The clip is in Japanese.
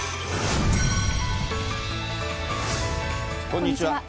こんにちは。